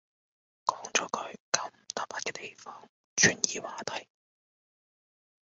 講咗佢九唔搭八嘅地方，轉移話題